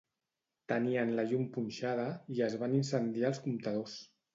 tenien la llum punxada i es van incendiar els comptadors